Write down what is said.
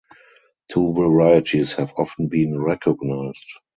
Two varieties have often been recognized.